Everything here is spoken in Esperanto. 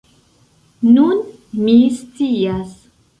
Nun, mi scias.